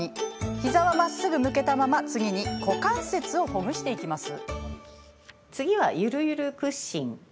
膝はまっすぐ向けたまま次に股関節をほぐしていきます。